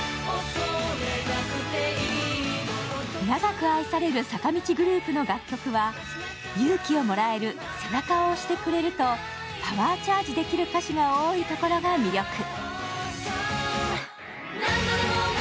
長く愛される坂道グループの楽曲は勇気をもらえる、背中を押してくれると、パワーチャージできる歌詞が多いところが魅力。